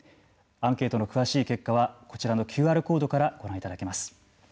アンケートの詳しい結果はこちらのＱＲコードからご覧いただけます。